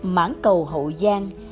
mãng cầu hậu giang